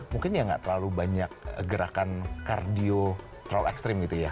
mungkin ya nggak terlalu banyak gerakan kardio terlalu ekstrim gitu ya